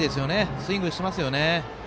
スイングしますよね。